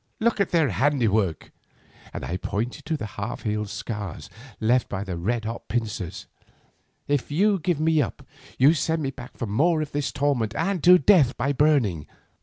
Look at their handiwork,' and I pointed to the half healed scars left by the red hot pincers; 'if you give me up, you send me back to more of this torment and to death by burning.